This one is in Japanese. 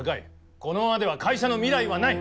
このままでは会社の未来はない。